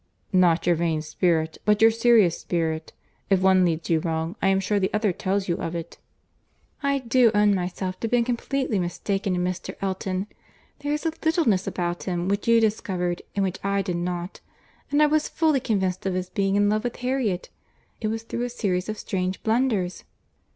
"Not your vain spirit, but your serious spirit.—If one leads you wrong, I am sure the other tells you of it." "I do own myself to have been completely mistaken in Mr. Elton. There is a littleness about him which you discovered, and which I did not: and I was fully convinced of his being in love with Harriet. It was through a series of strange blunders!"